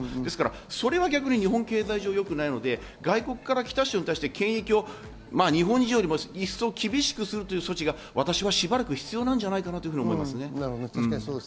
それは逆に日本経済上よくないので、外国から来た人に対して、検疫を日本人よりも一層厳しくすることが必要なんじゃないかなと思っています。